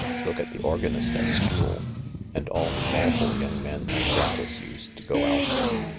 Look at the organist at school — and all the awful young men that Gladys used to go out with.